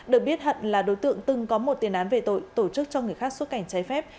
được biết hận là đối tượng từng có một tiền án về tội tổ chức cho người khác xuất cảnh trái phép